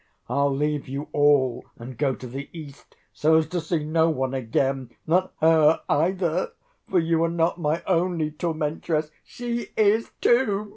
I'll leave you all and go to the East so as to see no one again. Not her either, for you are not my only tormentress; she is too.